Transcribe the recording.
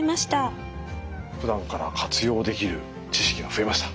ふだんから活用できる知識が増えました。